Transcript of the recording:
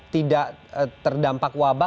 tidak terdampak wabah